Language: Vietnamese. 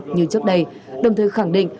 như trước đây đồng thời khẳng định